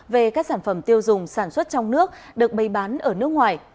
về các sản phẩm tiêu dùng sản xuất trong nước được bày bán ở nước ngoài